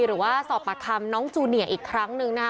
หรือว่าสอบปากคำน้องจูเนียอีกครั้งหนึ่งนะคะ